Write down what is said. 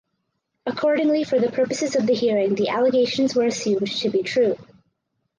Accordingly for the purposes of the hearing the allegations were assumed to be true.